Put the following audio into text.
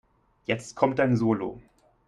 Jetzt kommt dein Solo.